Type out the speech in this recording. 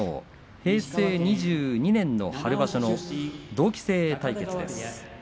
平成２２年の春場所の同期生対決です。